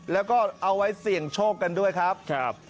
แล้วก็เอาไว้เสี่ยงโชคกันด้วยครับ